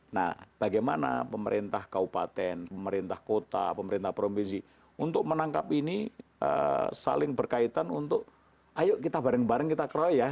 nah bagaimana pemerintah kaupaten pemerintah kota pemerintah provinsi untuk menangkap ini saling berkaitan untuk ayo kita bareng bareng kita keroyak